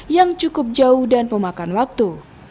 yang cukup jauh dan memakan waktu